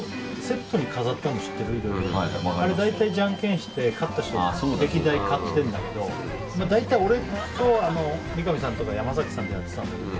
あれ大体じゃんけんして勝った人が歴代買ってるんだけど大体、俺と三上さんとか山崎さんがやってたんだけど。